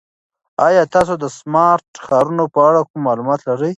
ایا تاسو د سمارټ ښارونو په اړه کوم معلومات لرئ؟